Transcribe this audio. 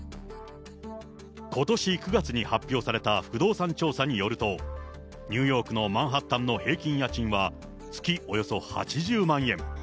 ことし９月に発表された不動産調査によると、ニューヨークのマンハッタンの平均家賃は、月およそ８０万円。